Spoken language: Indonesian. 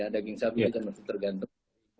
daging sapi juga masih tergantung